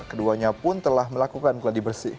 keduanya pun telah melakukan geladi bersih